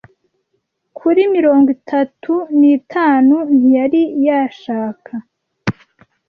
kuri mirongo itatu n itanu ntiyari yashaka